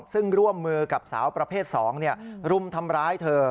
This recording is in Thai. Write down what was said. ซึ่งร่วมมือกับสาวประเภท๒รุมทำร้ายเธอ